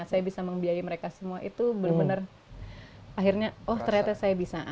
saya bisa membiayai mereka semua itu benar benar akhirnya oh ternyata saya bisa